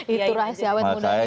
itu rahasia awet mudanya pra